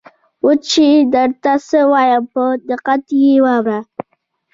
اوس چې درته څه وایم په دقت یې واوره.